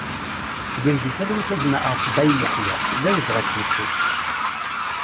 Gen di talwit a gma Asbaï Yaḥia, d awezɣi ad k-nettu!